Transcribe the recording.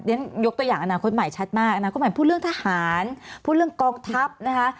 ยกตัวอย่างอนาคตใหม่ชัดมากอนาคตใหม่พูดเรื่องทหารพูดเรื่องกองทัพนะคะ